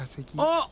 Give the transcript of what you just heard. あっ！